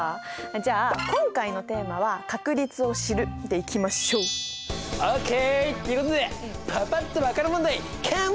じゃあ今回のテーマは「確率を知る」でいきましょう！ＯＫ！ということでパパっと分かる問題カモン！